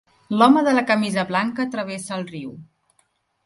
L'home de la camisa blanca travessa el riu.